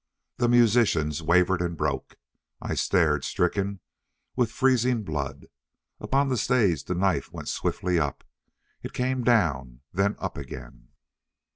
The musicians wavered and broke. I stared, stricken, with freezing blood. Upon the stage the knife went swiftly up; it came down; then up again.